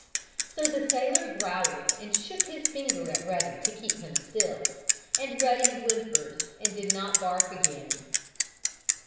So the sailor growled and shook his finger at Ruddy to make him keep still, and Ruddy whimpered and did not bark again.